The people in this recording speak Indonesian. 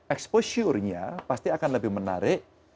exposure nya pasti akan lebih menarik